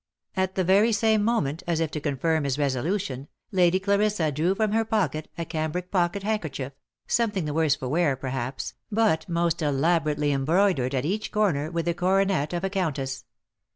At the very same moment, as if to confirm his resolution, Lady Clarissa drew from her pocket a cambric pocket handkerchief, something the worse for wear, perhaps, but most elaborately em broidered at each corner with the coronet of a countess.